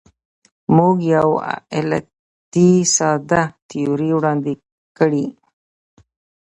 موږ یو علتي ساده تیوري وړاندې کړې.